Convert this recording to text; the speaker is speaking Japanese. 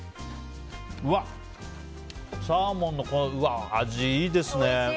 うわ、サーモンの味いいですね。